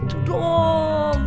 jangan begitu dong